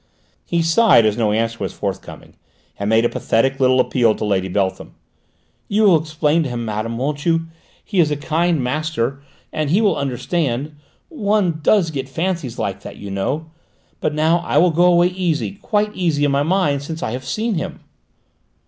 He sighed as no answer was forthcoming, and made a pathetic little appeal to Lady Beltham. "You will explain to him, madame, won't you? He is a kind master, and he will understand. One does get fancies like that, you know. But now I will go away easy, quite easy in my mind, since I have seen him."